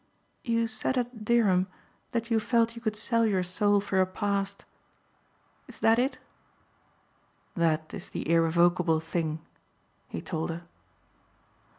"You said at Dereham that you felt you could sell your soul for a past. Is that it?" "That is the irrevocable thing," he told her.